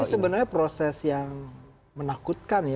ini sebenarnya proses yang menakutkan